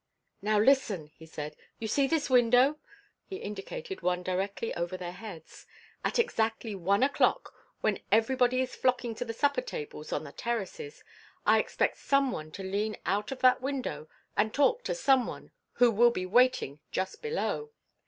"Now, listen," he said. "You see this window?" he indicated one directly over their heads. "At exactly one o'clock, when everybody is flocking to the supper tables on the terraces, I expect some one to lean out of that window and talk to some one who will be waiting just below.